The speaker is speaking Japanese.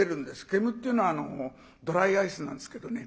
煙っていうのはドライアイスなんですけどね